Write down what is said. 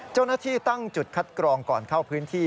เจ้าหน้าที่ตั้งจุดคัดกรองก่อนเข้าพื้นที่